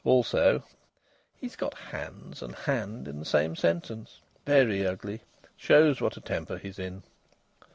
Also: "He's got 'hands' and 'hand' in the same sentence. Very ugly. Shows what a temper he's in!"